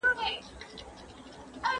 ¬ د بېعقل جواب سکوت دئ.